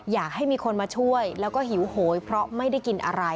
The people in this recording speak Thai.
อยากให้มีคนมาช่วยแล้วก็หิวโหยเพราะไม่ได้กินอะไร